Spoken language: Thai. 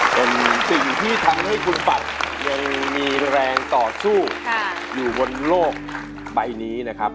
เป็นสิ่งที่ทำให้คุณปัดยังมีแรงต่อสู้อยู่บนโลกใบนี้นะครับ